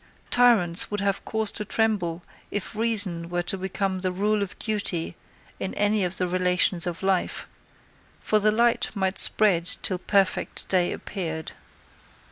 Tyrants would have cause to tremble if reason were to become the rule of duty in any of the relations of life, for the light might spread till perfect day appeared.